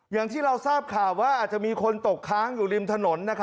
อย่างที่เราทราบข่าวว่าอาจจะมีคนตกค้างอยู่ริมถนน